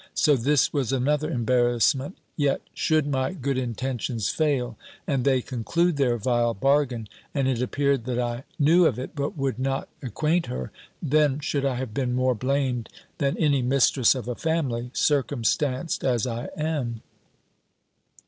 So this was another embarrassment. Yet should my good intentions fail, and they conclude their vile bargain, and it appeared that I knew of it, but would not acquaint her, then should I have been more blamed than any mistress of a family, circumstanced as I am.